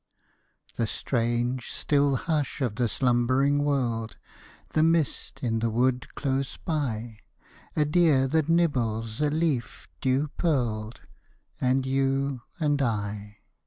The strange, still hush of the slumbering world, The mist in the wood close by, A deer that nibbles a leaf dew pearled, And you and I.